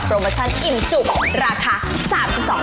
โปรเมอร์ชันอิ่มจุ๊บราคา๓๒บาทเท่านั้นค่ะ